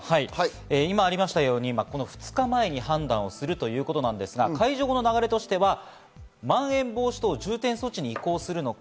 今ありましたように、この２日前に判断するということなんですが、解除後の流れとしては、まん延防止等重点措置に移行するのか？